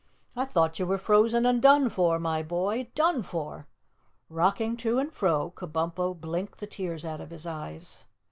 "I thought you were frozen and done for, my boy done for!" Rocking to and fro, Kabumpo blinked the tears out of his eyes.